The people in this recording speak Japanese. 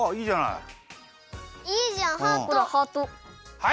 はい。